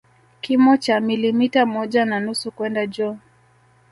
Kimo cha milimita moja na nusu kwenda juu